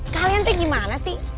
kalian tuh gimana sih